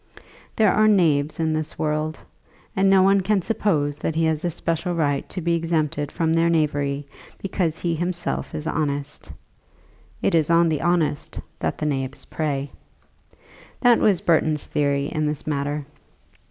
There are knaves in this world, and no one can suppose that he has a special right to be exempted from their knavery because he himself is honest. It is on the honest that the knaves prey. That was Burton's theory in this matter.